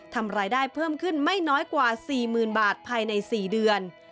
ทำรายได้เพิ่มขึ้นไม่น้อยกว่า๔๐๐๐บาทภายใน๔เดือน